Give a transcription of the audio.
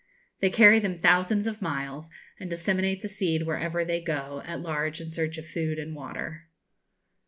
They carry them thousands of miles, and disseminate the seed wherever they go at large in search of food and water.